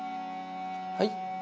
はい？